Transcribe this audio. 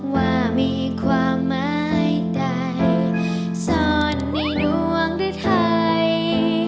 ว่ามีความหมายใดซ่อนในดวงด้วยไทย